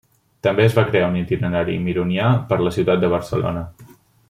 També es va crear un itinerari Mironià per la ciutat de Barcelona.